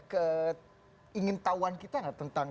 keingin tahuan kita nggak